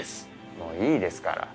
もういいですから。